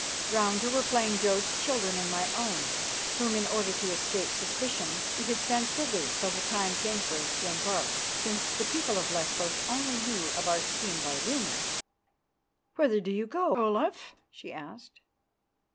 Round her were playing Jodd's children and my own, whom, in order to escape suspicion, we had sent thither till the time came for us to embark, since the people of Lesbos only knew of our scheme by rumour. "Whither do you go, Olaf?" she asked.